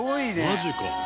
「マジか」